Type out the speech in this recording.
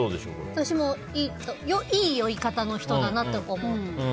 私もいい酔い方の人だなと思う。